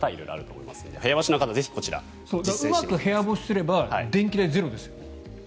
うまく部屋干しすれば電気代ゼロですよ。